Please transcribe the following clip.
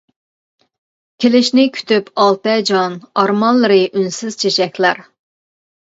كېلىشىنى كۈتۈپ ئالتە جان، ئارمانلىرى ئۈنسىز چېچەكلەر.